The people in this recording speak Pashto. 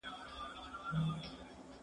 هغه څوک چي کالي مينځي روغ وي،